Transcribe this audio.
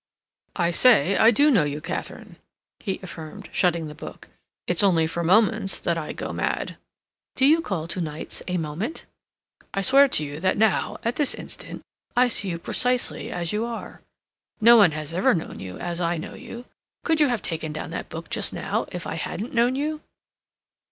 "I say I do know you, Katharine," he affirmed, shutting the book. "It's only for moments that I go mad." "Do you call two whole nights a moment?" "I swear to you that now, at this instant, I see you precisely as you are. No one has ever known you as I know you.... Could you have taken down that book just now if I hadn't known you?"